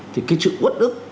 thì cái sự quất ức